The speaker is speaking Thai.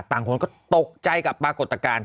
คนก็ตกใจกับปรากฏการณ์